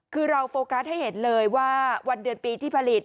คือเราโฟกัสให้เห็นเลยว่าวันเดือนปีที่ผลิต